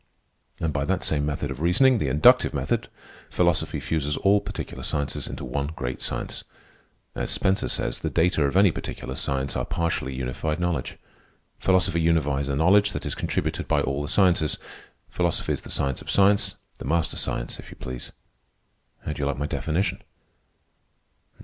And by that same method of reasoning, the inductive method, philosophy fuses all particular sciences into one great science. As Spencer says, the data of any particular science are partially unified knowledge. Philosophy unifies the knowledge that is contributed by all the sciences. Philosophy is the science of science, the master science, if you please. How do you like my definition?"